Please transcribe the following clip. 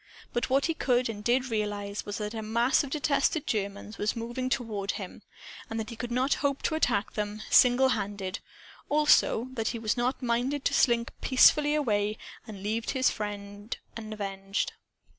But what he could and did realize was that a mass of detested Germans was moving toward him, and that he could not hope to attack them, single handed; also, that he was not minded to slink peacefully away and leave his friend unavenged.